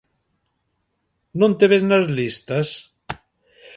Non te ves nas listas?